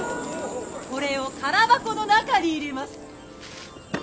これを空箱の中に入れます。